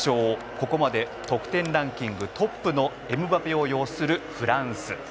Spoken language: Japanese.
ここまで得点ランキングトップのエムバペを擁するフランス。